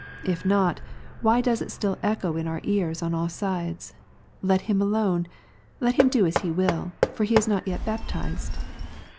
If not, why does it still echo in our ears on all sides, " Let him alone, let him do as he will, for he is not yet baptized